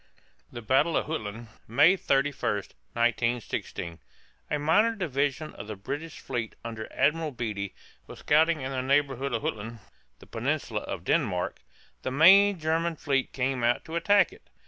THE BATTLE OF JUTLAND, MAY 31, 1916. A minor division of the British fleet under Admiral Beatty was scouting in the neighborhood of Jutland (the peninsula of Denmark). The main German fleet came out to attack it.